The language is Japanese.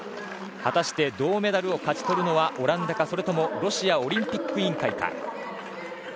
果たして銅メダルを勝ち取るのはオランダかそれともロシアオリンピック委員会か。